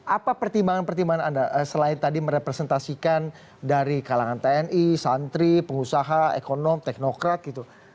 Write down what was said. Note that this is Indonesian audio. apa pertimbangan pertimbangan anda selain tadi merepresentasikan dari kalangan tni santri pengusaha ekonom teknokrat gitu